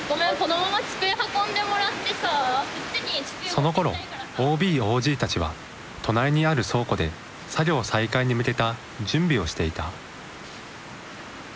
そのころＯＢ・ＯＧたちは隣にある倉庫で作業再開に向けた準備をしていた。